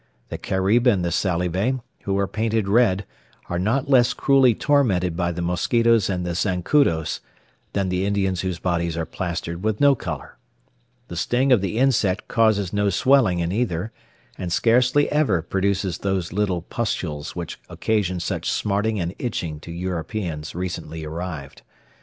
The Carib and the Salive, who are painted red, are not less cruelly tormented by the mosquitos and the zancudos, than the Indians whose bodies are plastered with no colour. The sting of the insect causes no swelling in either; and scarcely ever produces those little pustules which occasion such smarting and itching to Europeans recently arrived.